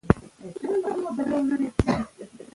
بې ځایه د ګناه احساس شته.